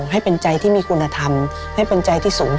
ให้เป็นใจที่มีคุณธรรมให้เป็นใจที่สูง